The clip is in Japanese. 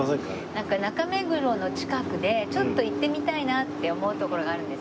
なんか中目黒の近くでちょっと行ってみたいなって思う所があるんですけど。